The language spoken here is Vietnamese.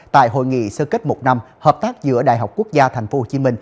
tại hội nghị sơ kết một năm hợp tác giữa đại học quốc gia tp hcm